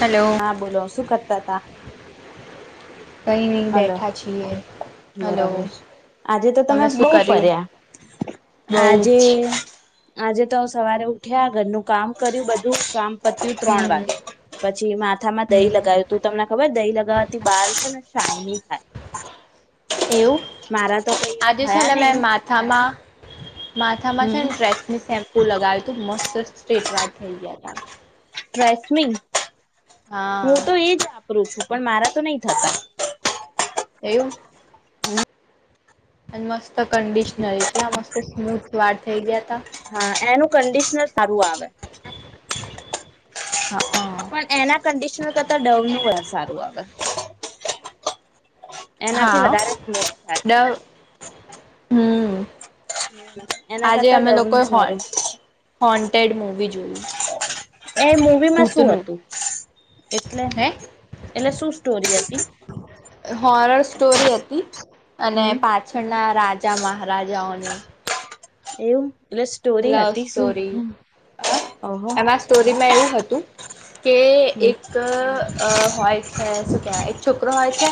Hello. હા બોલો શું કરતા હતા કંઈ નહીં હલો બેઠા છીએ. હલો બરાબર આજે તો તમે શું બહ કર્યું? ફર્યા બઉ આજે જ. આજે તો સવારે ઉઠ્યા ઘરનું કામ કર્યું બધું કામ પત ત્રણ હમ્મ વાગે પછી માથામાં હમ્મ દહી લગાવ્યું તું તમને ખબર દહી લગાવવાતી બહાર છે ને સાાયની થાય એવું મારા તો કઈ એવા આજે છે થયા ને મેં નહી માથામાં માથામાં છે હમ ને ડ્રેસની શેમ્પુ લગાવો હતું મસ્ત સ્ટ્રેટ વાર થઈ ગયા હ ટસમી હું તો હા એજ વાપરું છું પણ મારા તો નહી થતા એવું અનેમાસ્ મ કન્ડિશનર એટલા મસ્ત સ્મૂથ વાર થઇ ગયા તા હા એનું કંડિશનર સારું આવે હા પણ એના કંડિશન કરતા ડવ નું હોય સારું આવેગ એનાથી વધારે થાય હમ એના કરતા ડવ ન સ વારું હોન્ટેડ મૂવી જોયું એ મૂવીમાં શું ભૂતનું હતું. એટલે હે એટલે શું સ્ટોરી હતીઃ એ. હોરર, સ્ટોરી હતી અને હમ પાછળનાં રાજ રાજા મહારાજા ઓની એવું, એટલે સ્ટોરી લવ હતી શું સ્ટોરી હ, ઓહો એમાં સ્ટોરી માં એવું હતું. તોું. કે હમ એક હોય. એ શું કેવાય એક છોકરો હોય છે.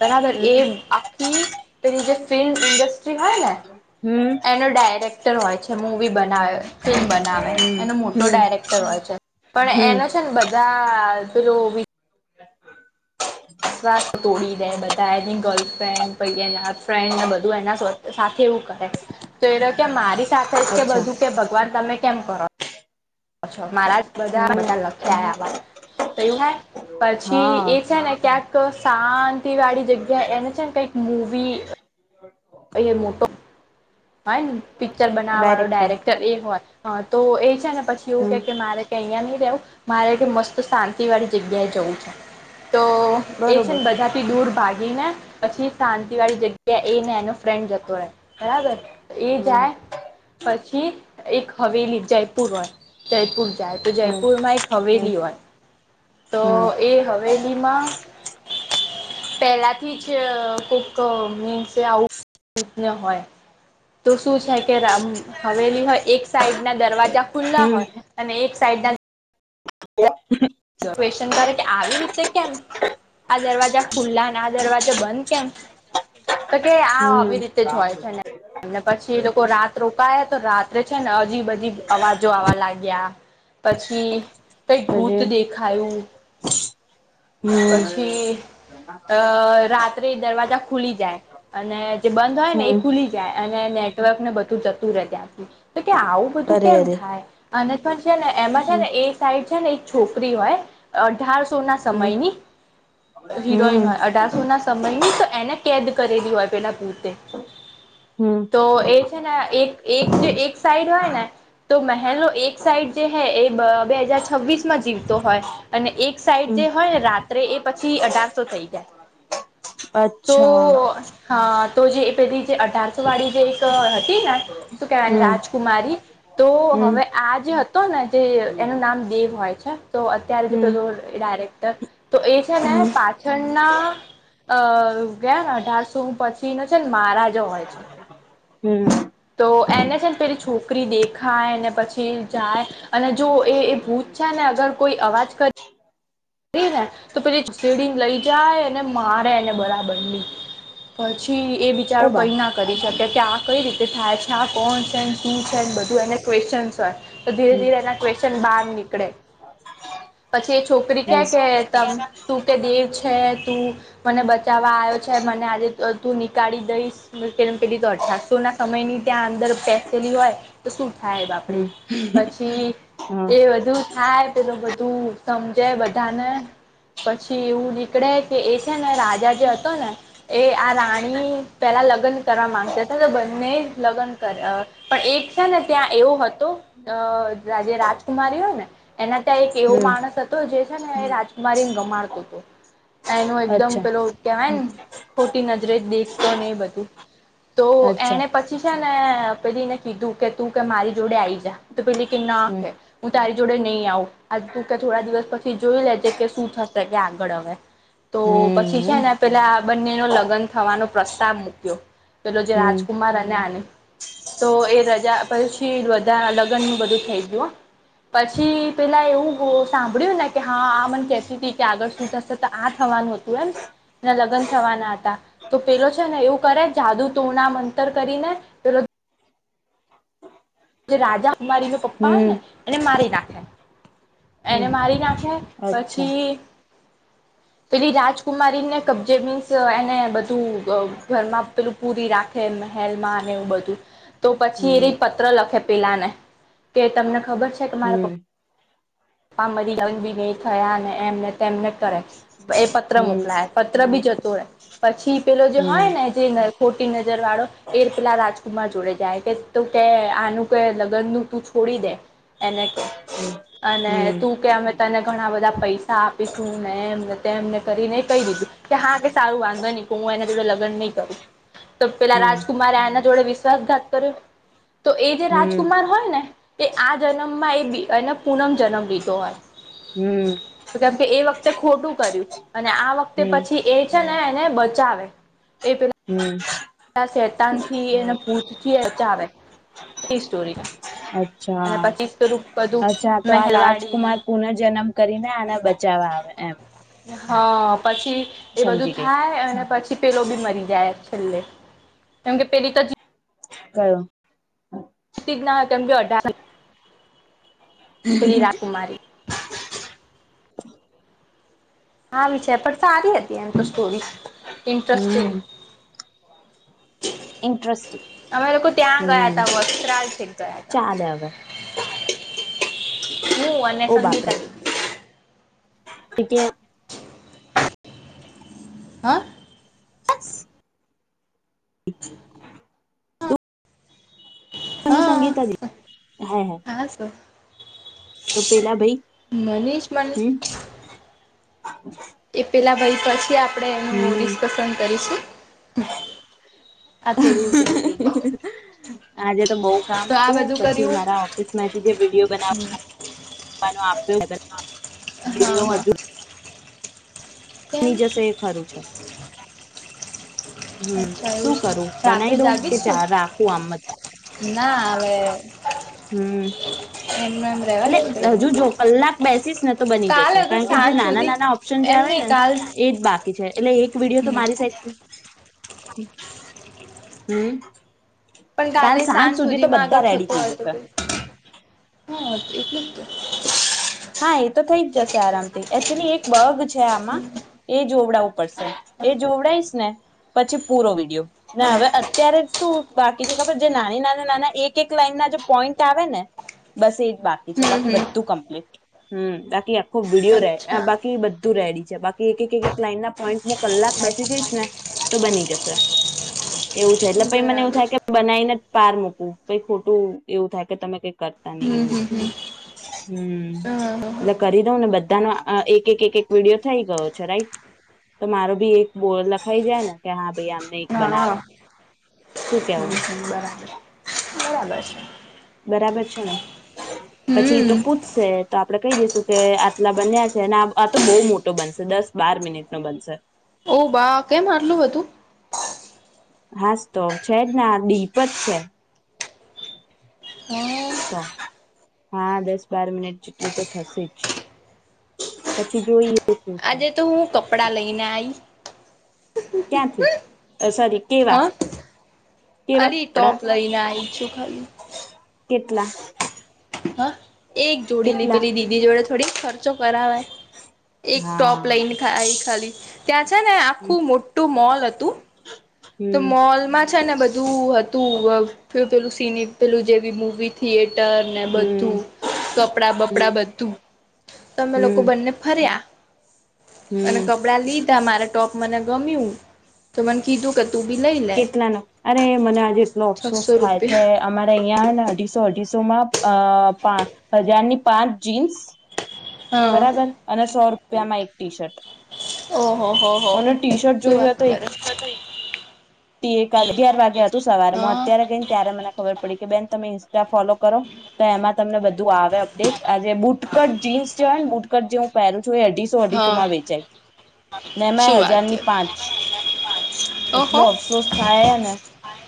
બરાબર હમ એ આખી. પેલી જે ફિલ્મ ઈન્ડસ્ટ્રી માં. શ્રી વાને. હમ એનો ડાયરેક્ટર હોય છે. જમો, બનાવે ફિલ્મ બનાવે હમ એનો મોટો હમ ડાયરેક્ટર હોય છે. પણ હમ એનો છે. ને બધા પેલોવી ઓવી વિશ્વાસ, તોડી દે બધા એની ગર્લફ્રેન્ડ પર એના ફ્રેન્ડને બધું એના સાથે એવું કરે તો એ કે મારી. સાથે જ કે અચ્છા બધું કે ભગવાન તમે કેમ કરો. અચ્છા મારા બધા હમ બધા લખ્યા આવા. તયુ હે. પછી હા એ છે. ને ક્યાંક એક શાંતિ વાળી જગ્યા એને છે. ને કઈક મૂવી અહીંયા મોટો ભાઈ ને પિક્ચર બનાવવા વાળો ડાયરેક્ટર એ હોય. તો એ છે. પછી એવું કે હમ કે મારે અહીંયા નહી રહેવું મારે મસ્ત શાંતિ વાળી જગ્યાએ જવું છે. તો એ છે. બરોબર ને બધાથી દૂર ભાગી ને પછી શાંતિ વાળી જગ્યા એ ને એનો ફ્રેન્ડ જતો રહે બરાબર, એ હમ જાય પછી. થી એક હવેલી જયપુર હોય જયપુર જાય તો હમ જયપુરમાં એક હમ હવેલી હોય તો એ હમ હવેલી માં પહેલાથી જ કોક મીન્સ આવુંને હોય તો શું છે કેમ હવેલી હોય એક સાઈડ ના દરવાજા ખુલ્લા હોય અને એક સાઈડ ના ક્વેશ્ચન કરે કે આવી રીતે કેમ આ દરવાજા ખુલ્લા ને આ દરવાજા બંધ કેમ તો કે હમ આ હમ આવી રીતે જ હોય છે એમને પછી જે એ લોકો રાત રોકાયા તો રાત્રે છે ને અજીબ અજીબ અવાજો આવવા લાગ્યા પછી કઈક અ ભૂત જી દેખાયું હમ પછી, અ રાત્રે દરવાજા ખુલી જાય અને જે બંધ હોય ને એ હમ ખુલી જાય અને નેટવર્ક ને બધું જતું રે ત્યાંથી. કે આવું બધું અરે કેમ અરે થાય? અને પણ છે ને એમાં છે હમ ને એ સાઈડ છે ને એક છોકરી હોય. અઢાર સોના હમ સમયની હિરોઈન હમ હોય. અઢારસોના સમયની તો એને કેદ કરેલી હોય પેલા ભુતે. હમ તો એ છે ને, એક એક જે એક સાઈડ હોય ને તો મહેલનો એક સાઈડ જે હે એ બ બે હજાર છવ્વીસમાં જીવતો હોય અને એક સાઈડ હમ જે હોયને રાત એ એ પછી અઢારસો થઈ જાય. તો અચ્છા હા, તો જે પેલી જે અઢારસો વાળી જે એક હતી ને, શું કેવાય એને હમ રાજકુમારી. તો હવે હમ આ જે હતો ને જે એનું નામ દેવ હોય છે. તો અત્યારે જે હમ પેલો અ ડાયરેક્ ત તો એ છે ને, હમ પાછળના અ ગયા ને અઢારસો હૂં પ છીનો છે ન મહારાજા હોય છે. હમ્મ. તો એને છે ન પેલી છોકરી દેખાય ને પછી જાય અને જો એ એ ભૂત છે ને અગર કોઈ અવાજ ક રીએ ને તો પેલી ઘસેડીન લઈ જાય અને મારે એને બરાબરની. પછી એ બીચારો ઓબા કઈ ના કરી શકે. ક્યાં કઈ રી તે થાય છા કોણ છે ન સુ છે ન બધું એને ક્વેસચન છે. તો ધીરે હમ ધીરે એના ક્વેશ્ન બાર નીકળે. પછી એ છોકરી હમ ક્યા કે તમ તું કે દેવ છે તું મને બ ચાવા આવ્યો છે. મને આજે અ તું નીકાળી દઈશ. પ પેલી મ પેલી તો અઢારસોના સમયની ત્યાં અં દર પેસેલી હોય, તો શું થાય બાપડી. પછી હા એ બધું થાય પેલું બધું સમજાય બ ધાને, પછી એવું નીકળે કે એ છેને રાજા જે હતો ને એ આ રાણી પેલા લગન કરવા માંગતા હતા. તો બંને લગન કર, અ પણ એક છે ને ત્યાં એવો હતો અ અ જે રાજકુમારી હોય ને એના ત્યાં એક એવો હમ માણસ હતો જે એ ને એ રાજકુમારીન ગમાડતો હતો. એનું એકદમ અચ્છા પેલો કેવાય ન ખોટી નજરે જ દેખતો ને એ બધું તો અચ્છા એને પછી છે ને પેલી ને કીધું કે તું કે મારી જોડે આઈ જા. તો પેલી કે ના હમ કે. હું તારી જોડે નહીં આવું. આજ તું કે થોડા દિવસ પછી જોઈ લેજે કે શું થશે કે આગળ હવે. તો પછી છે હમ ને પેલા આ બંનેનો લગન થવાનો પ્રસ્તાવ મૂક્યો. પેલો જે હમ રાજકુમાર અને આને. તો એ રજા પછી વધા લગનુનું બધું થઈ ગયું હો. પછી પેલા એવું સાંભળ્યું ને કે હા આ મન કેતી ત કે આગળ શું થશે તો આ થવાનું હતું એમ? ન્યા લગન થવાના હતા. તો પેલો છે ને એવું કરે જાદુ ટોના મંતર કરી ને પેલો જે રાજા મારી ના પપ્પા હોય ને હમ એને મારી નાખે. એને હમ મારી ના ખે અચ્છા પછી પેલી રાજકુમારીને કબજે મીન્સ એને બધું અ ઘરમાં પેલું પૂરી રાખે મહેલમાં ને એવું બધું. તો પછી એ હમ રય પત્ર લખે પેલા ને કે તમને ખબર છે કે મારા પ હમ પ્પા મરી ગન બી નઈ થયા ને એમ ને તેમને કરે. એ પત્ર હમ મોકલાયા. પત્ર બી જતો રે. પછી પેલો જે હોય હમ ને જે ખોટી નજર વાળો એ પેલા રાજકુમાર જોડે જાય કે તું કે આનું કે લગનનું તું છોડી દે એને કે અને હમ તું કે અમે તને ઘણા બધા પૈસા આપીશું ને એમને તેમને કરીને કહી દીધું કે હા કે સારું વાંધો નઈ કે હું એના જોડે લગન નહીં કરું. તો પેલા હમ રાજકુમારે આના જોડે વિશ્વાસઘાત કર્યો. તો એ જે હમ રાજકુમાર હોય ને એ આ જનમમાં એ બી એન પૂનમ જન્મ લીધો હોય. હમ હમ કેમ કે એ વખતે ખોટું કર્યું અને આ વખતે પછી એ છે ને એને બચાવે. એ પેલા - હમ ત શેતાનથી એને ભૂતથી બચાવે. એ સ્ટોરી [inaudible] અને પછી બધું અચ્છા-અચ્છા તો આ મહેલવાડીને રાજકુમાર પુનઃજન્મ કરીને આને બચાવવા આવે. એમ હા હા. પછી એ બધું સમજી ગઈ થાય અને પછી પેલો બી મરી જાય. લે કેમ કે પેલી તો કયો? જ ના તેમમ કે અઢાર પેલી રાજકુમારી હા વિ છે પડ સારી અતી એમ તો સ્ટોરી ઈન્ટ્રસ્ટિંગ. હમ ઇન્ટરેસ્ટિંગ અમે લોકો ત્યાં ગયા હમ તા વસ્ત્રાલ છેક ગયા તા ચાલે હવે હું અને સંગીતા. કે્યા હા બસ ને હા સંગીતા ગી હૈ હૈ હા શું તો પેલા ભાઈ મનીષ મને હ હા એ પેલા ભાઈ પછી આપે આપણે એનું હમ ડિસ્કસન કરીશું આ થોડું ઉપડું થઈ જશે આજે તો બહુ તો કામ આ હતું બધું પછી કર્યું મારા ઓફિસ માંથી જે વિડીયો બનાવવાનો આપ્યો હ હા હા કેમ ની જશે એ ખરું છે હમ અચ્છા એવું શું છે કરું બનાવી રાત્રે દઉં કે જાગીશ તું ચાલ રાખું આમ જ ના હવે એમને એમ રેવા હમ દે ને એટલે હજુ ભાઈ જો કલાક બેસીસ નથી તો બની કાલે જશે અગર કારણ કે જે સાંજ નાના સુધી નાના ઓપ્શન જે એમ આવે નહી ને કાલ એ જ બાકી છે એટલે એક વિડીિયો તો હમ મારી સાઈ હમ પણ કાલ કાલે સાંજ સુધી તો માં બધા આગળ રેડી થતો થઈ હોય તો જશે હા એટલેું તો ના એ તો થઈ જ જશે આરામથી એકચુલી એક બગ છે આમાં એ જોવડાવું પડશે એ જોવડાઈશ ને પછી પૂરો વિડીિયો ના હમ હવે અત્યારે શું બાકી છે ખબર જે નાની નાના નાના એક એક લાઈન ના જે પોઈન્ટ આવે ને બસ બાકી છે હમ બાકી હમ બધા હમ બાકી આપ ખુબ વિડીયો રહે અચ્છા બાકી ું રેડી છે બાકી એક એક એક એક લાઈન ના પોઈન્ટ હું કલાક બેસી જઈશ ને તો બની જશે એવું છે એટલે પ મને એવું બરાબર થાય કે બનાવીને જ પાર મૂકવું પ ખોટું એવું થાય કે તમે કઈક કરતા નહી હમ એું હમ હમ હમ એટલે કરી દઉં ને બધાનો એક એક એક એક વિડીિયો થઈ ગયો છે રાઈટ તો મારો ભી એક બોલ લખાઈ જાય ને કે હા ભાઈ આ ન હા બનાું શું કેવું હમ બરાબર બરાબર છે બરાબર છે ને પછી એ હમ તો પૂછશે તો આપડે કહી દઈશું કે આટલા બન્યા છે ને આ તો બહુ મોટો બનશે દસ બાર મિનિટ નો બનશે ઓ બા કેમ આરલું હતું હાસ તો છે જ ના દીપ જ છે હા હા દસ બાર મિનિટ જેટલું તો થશે જ પછી જોઈએ શું થાય આજે તો હું કપડાં લઈ બિનાઈ ક્યાંથી સોરી હ કેવા કેવા અલી ટોપ કપડા લઈને આવી છું ખાલી કેટલા હા એક જોડી લ કેટલા પેલી દીદી જોડે થોડીક ફરક કરવાય એક ટોપ હા લઈને આ ખાલી [inaudible] ત્યાં છે ને આખું મોટું મોલ હતું તો હમ મોલમાં છે ને બધું હતું પેલું સિની પેલું જેવી મૂવી થિયેટર ને બધું હમ કપડાં હમ બપડા બધું તમે લોકો હમ બંને ફર્યા. અને હમ કપડાં લીધા મારા ટોપ મને ગમ્યું તો મને કીધું. તું બી લઈ લે કેટલાનો અરે મને આજે એટલો અફસોસ છસો થાય છે રૂપિયા અમારે અહં ને અઢીસો અઢીસો માં અ પા હજારની પાંચ જીન્સ હા બરાબર અને સો રૂપ પ્યામાં એક ટી શર્ટ ઓહો હો હો મને ટી શર્ટ શું જોયું વાત કરે હત અગિયાર વાગે હતું સવારે હા અત્યારે ગઈને ત્યારે મને ખબર પડી કે બેન [inaudible] ત્યા ફોલો કરો તો એમાં તમને બધું આવે અપડેટ આજે બુટકટ જીન્સ કરજું પેરસ. એ અઢીસો હા અઢીસોમાં વેચાય ને એમાં શું વાત છે હજારની પાંચ ઓહો એટલો અફસોસ થાય ને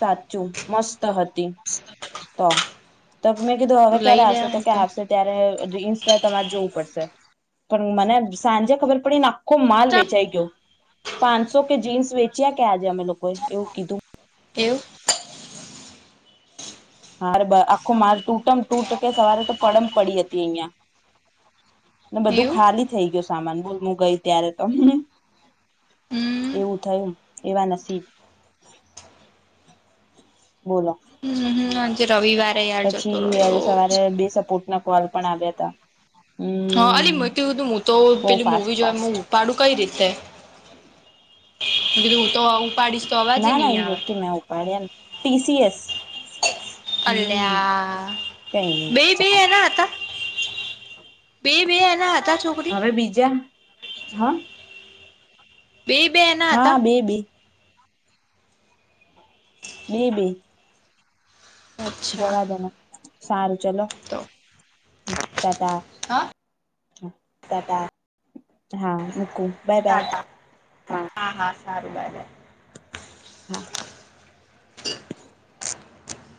સાચું મસ્ત હતી તો મેં કીધું હવે ક્યારે લઈ આવશે તો ક લેવાય આવશે ત્યારે ઇન્સ્ટા તમારે જોવ પણ મને સાંજે ખબર પડીખ. માલ તો વેચાઈ ગયો પાંચસો કે જીન્સ વચ ક્યાં ક્યાં છે અમે લોકોએ એવું કીધું કેવું હરે આખું માર તૂટમ તૂટ કે સવારે તો પડમ પડી હતી અહં ને બધું એવું ખાલી થઇ ગયું સામાન બોલ હું ગઈ ત્યારે તો હમ એવું થય એવાનાસીબ બોલો હમ આજે રવિવારે યાર જતો રહ્યો પછીજે સવારે બે સપોર્ટ ના કોલ પણ આવ્યા ત હા અલી મ હતું હું તો પેલી ફાસ્ટ મવી જોય ફાસ્ટ ઉપાડું કઈ રીતે બડી દૂર તો આવ ના ના એ જોકી મેં ઉપાડ્યા ટી સી એસ અલ્યા કઈ નહી બે એમ બે ચાલ એના હતા બે બે એના હતા છોકરી હવે બીજા હા બેય બે એના હા હતા બે બે બે બે અચ્છા જવા દેન સારું ચલો તો ટાટા હા ટાટા હા મૂકું બાય બાય હા સારુ બાય બાય હા [inaudible]